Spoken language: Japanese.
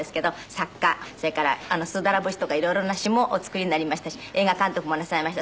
作家それから『スーダラ節』とか色々な詞もお作りになりましたし映画監督もなさいました。